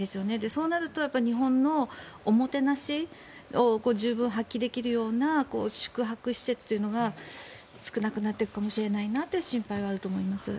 そうなると日本のおもてなしを十分に発揮できるような宿泊施設というのが少なくなっていくかもしれないなという心配はあると思います。